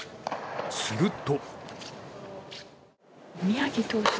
すると。